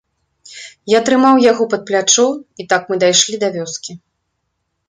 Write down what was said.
Я трымаў яго пад плячо, і так мы дайшлі да вёскі.